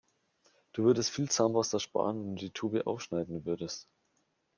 Du würdest viel Zahnpasta sparen, wenn du die Tube aufschneiden würdest.